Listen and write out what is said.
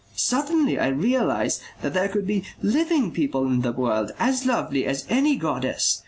Suddenly I realized that there could be living people in the world as lovely as any goddess....